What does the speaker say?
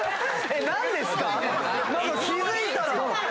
何ですか⁉気付いたら。